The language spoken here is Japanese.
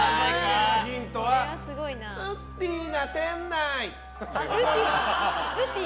最後のヒントはウッディな店内。